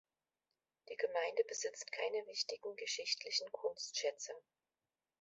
Die Gemeinde besitzt keine wichtigen geschichtlichen Kunstschätze.